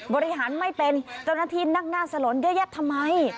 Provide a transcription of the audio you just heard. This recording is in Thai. บริหารไม่เป็นเจ้าหน้าที่นั่งหน้าสลนเยอะแยะทำไม